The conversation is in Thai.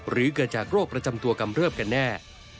หรือเกิดจากโรคประจำตัวกำเริบกันแน่